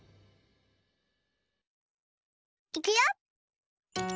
いくよ！